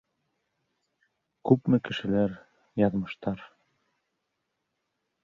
Күпме кешеләр... яҙмыштар...